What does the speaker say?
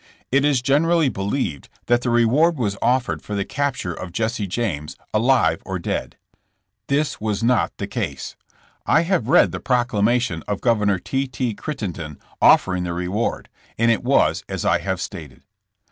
It is generally believed that the reward was offered for the capture of Jesse James alive or dead. This was not the case. I have read the proclamation of Governor T. T. Crittenden offer ing the reward, and it was as I have stated.